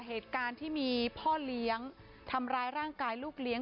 เหตุการณ์ที่มีพ่อเลี้ยงทำร้ายร่างกายลูกเลี้ยง